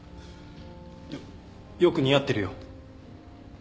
よっよく似合ってるよ。